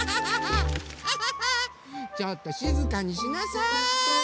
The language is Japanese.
ちょっとしずかにしなさい！